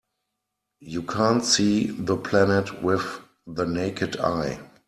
You can't see the planet with the naked eye.